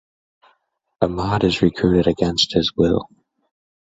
Ahmad is recruited against his will.